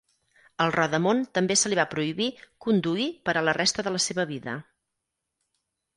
Al rodamon també se li va prohibir conduir per a la resta de la seva vida.